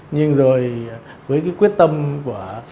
nhưng rồi với quyết tâm của